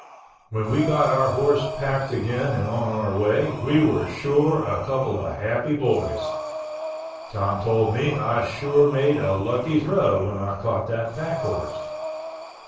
When we got our horse packed again and on our way, we were sure a couple of happy boys. Tom told me I sure made a lucky throw when I caught that pack horse.